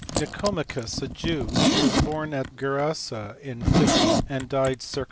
Nicomachus, a Jew, who was born at Gerasa in 50 and died circ.